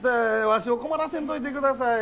わしを困らせんといてください。